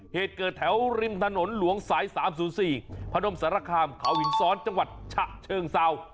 เหตุเกิดแถวริมถนนหลวงสาย๓๐๔พนมสารคามเขาหินซ้อนจังหวัดฉะเชิงเศร้า